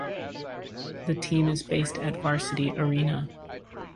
The team is based at Varsity Arena.